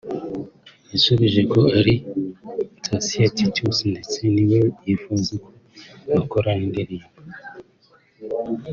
yasubije ko ari Thacien Titus ndetse ni we yifuza ko bakorana indirimbo